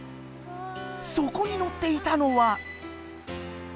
そこに乗っていたのは。